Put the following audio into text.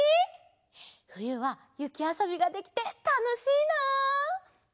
ふゆはゆきあそびができてたのしいな！